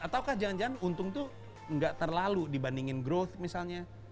atau kah jangan jangan untung tuh gak terlalu dibandingin growth misalnya